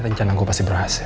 rencanaku pasti berhasil